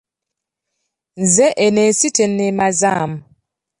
Nze eno ensi tenneemazaamu.